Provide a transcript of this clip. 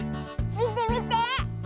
みてみて。